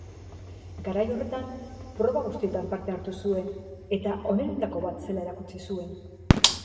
Garai horretan proba guztietan parte hartu zuen eta onenetako bat zela erakutsi zuen.